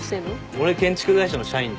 俺建築会社の社員で。